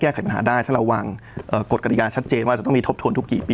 แก้ไขปัญหาได้ถ้าเราวางอกฏกฎิกาชัดเจนว่าจะต้องมีทบทวนทุก